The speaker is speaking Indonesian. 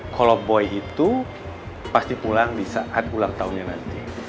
kalau boy itu pasti pulang di saat ulang tahunnya nanti